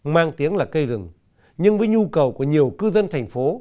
mang tiếng là cây rừng nhưng với nhu cầu của nhiều cư dân thành phố